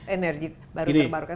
energi baru terbarukan